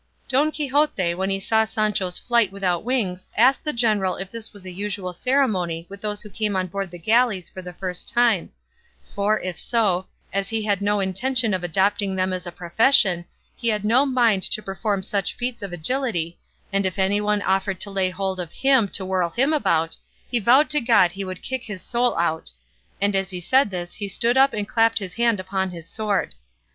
Don Quixote when he saw Sancho's flight without wings asked the general if this was a usual ceremony with those who came on board the galleys for the first time; for, if so, as he had no intention of adopting them as a profession, he had no mind to perform such feats of agility, and if anyone offered to lay hold of him to whirl him about, he vowed to God he would kick his soul out; and as he said this he stood up and clapped his hand upon his sword.